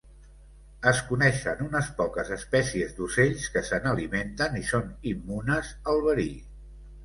Es coneixen unes poques espècies d'ocells que se n'alimenten i són immunes al verí.